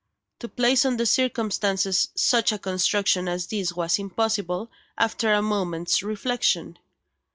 To place on the circumstances such a construction as this was impossible, after a moment's reflection.